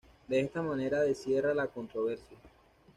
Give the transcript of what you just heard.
De esta manera de cierra la controversia.